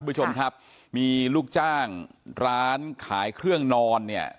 ผู้ชมครับมีลูกจ้างร้านขายเครื่องนอนเนี่ย